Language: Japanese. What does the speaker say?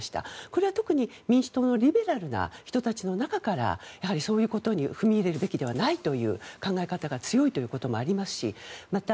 これは特に民主党のリベラルな人たちの中からやはり、そういうことに踏み入れるべきではないという考え方が強いということもありますしまた